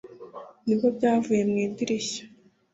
Nibwo byavuye mu idirishya